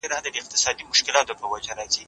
تاسو زموږ سرمایه یاست.